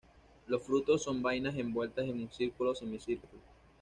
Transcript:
Los frutos son vainas envueltas en un círculo o semicírculo.